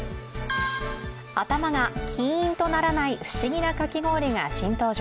頭がキーンとならない不思議なかき氷が新登場。